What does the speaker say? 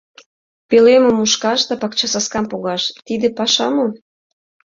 Пӧлемым мушкаш да пакчасаскам погаш — тиде паша мо?